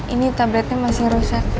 ini tabletnya masih rusak